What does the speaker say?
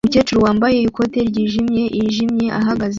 Umukecuru wambaye ikote ryijimye yijimye ahagaze